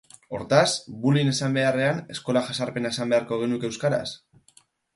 Hortaz, bullying esan beharrean eskola jazarpena esan beharko genuke euskaraz?